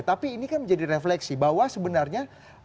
tapi ini kan menjadi refleksi bahwa sebenarnya